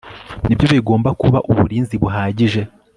Nibyo bigomba kuba uburinzi buhagije